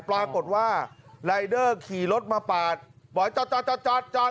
ปลากฏว่ารายเดอร์ขี่รถมาปาดบอกจ๊ะจ๊ะจ๊ะจ๊ะจ๊ะ